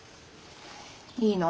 いいの？